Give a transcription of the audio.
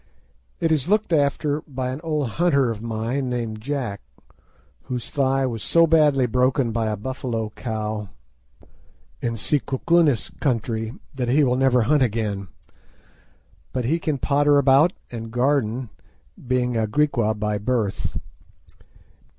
It is looked after by an old hunter of mine named Jack, whose thigh was so badly broken by a buffalo cow in Sikukunis country that he will never hunt again. But he can potter about and garden, being a Griqua by birth.